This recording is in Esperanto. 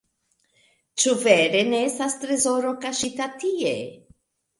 Ĉu vere ne estas trezoro, kaŝita tie?